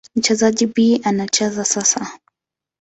Mchezaji B anacheza sasa.